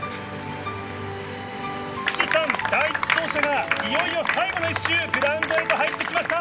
岸さん、第１走者がいよいよ最後の１周、グラウンドへと入ってきました。